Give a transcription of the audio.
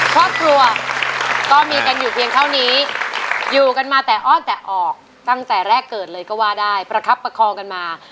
ครอบครัวก็มีกันอยู่เพียงเท่านี้อยู่กันมาแต่อ้อนแต่ออกตั้งแต่แรกเกิดเลยก็ว่าได้ประคับประคองกันมา